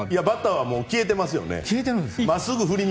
バッターからはもう消えていますよね。